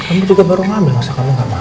kamu juga baru ngambil masa kamu nggak makan